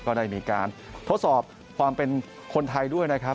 ก็ได้มีการทดสอบความเป็นคนไทยด้วยนะครับ